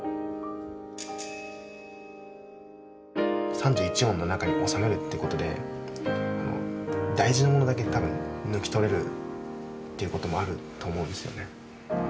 ３１音の中に収めるってことで大事なものだけ多分抜き取れるということもあると思うんですよね。